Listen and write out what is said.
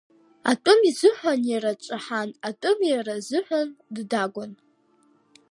Атәым изыҳәан иара ҿаҳан, атәым иара азыҳәан ддагәан.